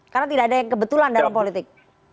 karena tidak ada yang kebetulan dalam politik